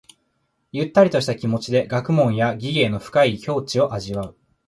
ゆったりとした気持ちで学問や技芸の深い境地を味わう。